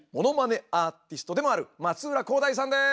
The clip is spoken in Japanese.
アーティストでもある松浦航大さんです！